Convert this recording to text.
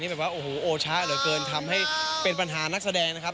แบบว่าโอ้โหโอชะเหลือเกินทำให้เป็นปัญหานักแสดงนะครับ